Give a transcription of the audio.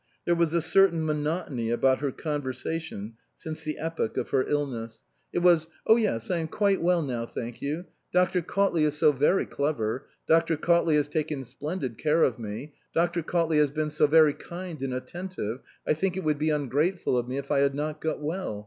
There was a certain monotony about her con ersvation since the epoch of her illness. It 250 SPRING FASHIONS was, " Oh yes, I am quite well now, thank you. Dr. Cautley is so very clever. Dr. Cautley has taken splendid care of me. Dr. Cautley has been so very kind and attentive, I think it would be ungrateful of me if I had not got well.